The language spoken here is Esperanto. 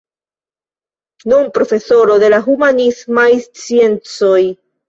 Nun profesoro de la humanismaj sciencoj.